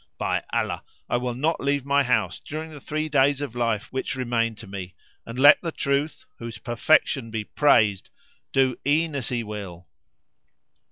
By Allah, I will not leave my house during the three days of life which remain to me and let the Truth (whose perfection be praised!) do e'en as He will."